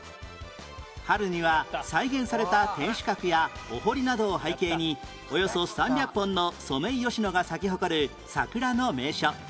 春には再現された天守閣やお堀などを背景におよそ３００本のソメイヨシノが咲き誇る桜の名所